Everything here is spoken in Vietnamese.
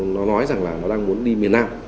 nó nói rằng là nó đang muốn đi miền nam